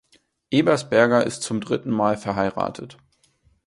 Ebersberger ist zum dritten Mal verheiratet.